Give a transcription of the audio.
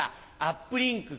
アップリンク